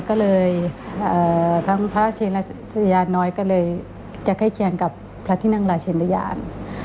ก็เลยทั้งพระราชเนรยาน้อยก็เลยจะแค่แค่งกับพระทินังราชเนรยาน